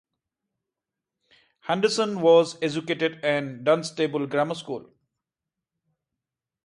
Henderson was educated at Dunstable Grammar School.